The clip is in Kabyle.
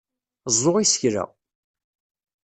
Ẓẓu isekla!